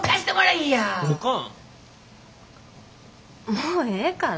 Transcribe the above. もうええから。